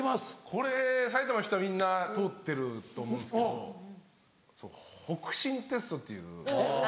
これ埼玉の人はみんな通ってると思うんですけど北辰テストっていう。